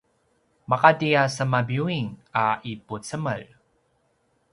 maqati a sema biyuing a ipucemel